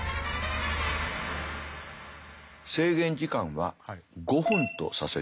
制限時間は５分とさせていただきます。